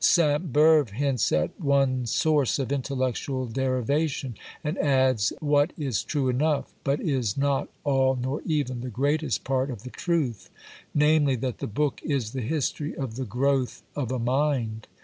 Sainte Beuve hints at one source of intellectual derivation, and adds what is true enough, but is not all nor even the greatest part of the truth, namely, that the book is the history of the growth of a mind.